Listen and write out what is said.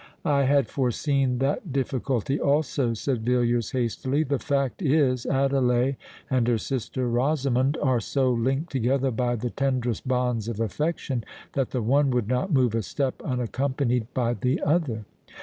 "I had foreseen that difficulty also," said Villiers hastily. "The fact is, Adelais and her sister Rosamond are so linked together by the tenderest bonds of affection, that the one would not move a step unaccompanied by the other."